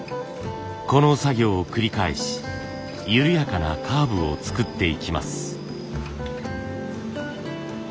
この作業を繰り返し緩やかなカーブを作っていきます。